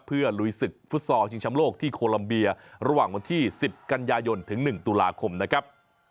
เพื่อลุยศึกฟุตซอลชิงชำโลกที่โคลัมเบียระหว่างวันที่๑๐กันยายนถึง๑ตุลาคมนะครับ